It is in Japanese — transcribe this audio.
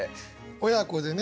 親子でね